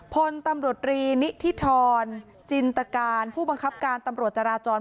พลตำรวจรีนิธิธรจินตการผู้บังคับการตำรวจจราจร